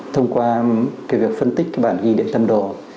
thông qua việc phân tích bản ghi điện tâm đồ